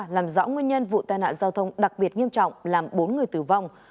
làm rõ nguyên nhân vụ tai nạn giao thông đặc biệt nghiêm trọng làm bốn người tử vong